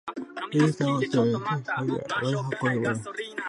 フィルターをつまみ、少し考え、また箱に戻す